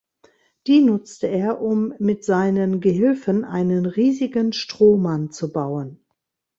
Die nutzte er, um mit seinen Gehilfen einen riesigen Strohmann zu bauen.